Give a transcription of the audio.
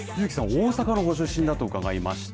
大阪のご出身だと伺いました。